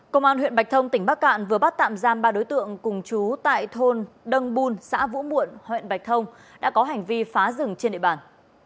công an huyện bạch thông tỉnh bắc cạn vừa bắt tạm giam ba đối tượng cùng chú tại thôn đông bun xã vũ muộn huyện bạch thông đã có hành vi phá rừng trên địa bàn